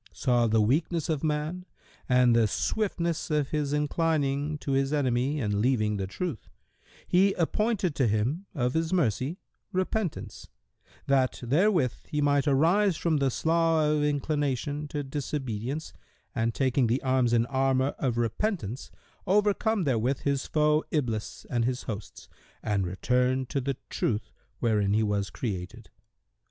saw the weakness of man and the swiftness of his inclining to his enemy and leaving the truth, He appointed to him, of His mercy, repentance, that therewith he might arise from the slough[FN#127] of inclination to disobedience and taking the arms and armour of repentance, overcome therewith his foe Iblis and his hosts and return to the Truth, wherein he was created.